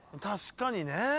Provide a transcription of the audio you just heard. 確かにね。